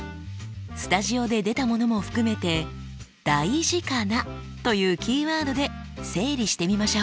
スタジオで出たものも含めて「だいじかな」というキーワードで整理してみましょう。